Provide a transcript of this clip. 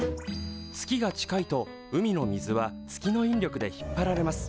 月が近いと海の水は月の引力で引っ張られます。